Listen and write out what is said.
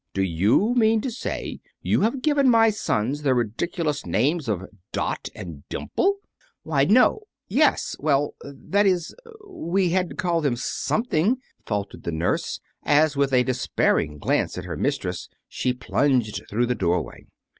"Do you mean to say you have given my sons the ridiculous names of 'Dot' and 'Dimple'?" "Why, no yes well, that is we had to call them something," faltered the nurse, as with a despairing glance at her mistress, she plunged through the doorway.